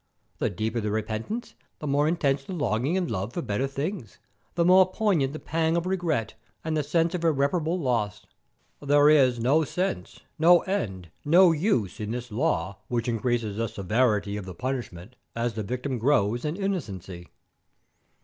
The deeper the repentance, the more intense the longing and love for better things, the more poignant the pang of regret and the sense of irreparable loss. There is no sense, no end, no use, in this law which increases the severity of the punishment as the victim grows in innocency.